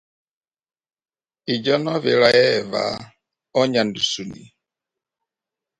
When she was two years old, her mother died in childbirth.